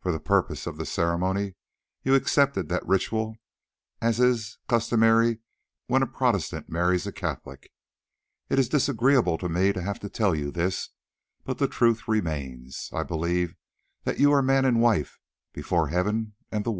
For the purposes of the ceremony you accepted that ritual, as is customary when a Protestant marries a Catholic. It is disagreeable for me to have to tell you this, but the truth remains: I believe that you are man and wife before Heaven and the world."